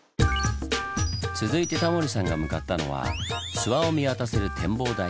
続いてタモリさんが向かったのは諏訪を見渡せる展望台。